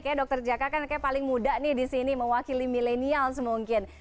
kayaknya dr jaka kan paling muda nih di sini mewakili millenial semungkin